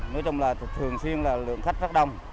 nói chung là thường xuyên là lượng khách rất đông